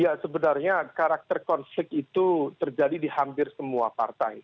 ya sebenarnya karakter konflik itu terjadi di hampir semua partai